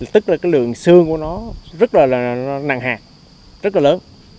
tức là cái lượng xương của nó rất là nặng hạt rất là lớn